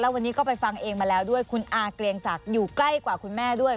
วันนี้ก็ไปฟังเองมาแล้วด้วยคุณอาเกลียงศักดิ์อยู่ใกล้กว่าคุณแม่ด้วย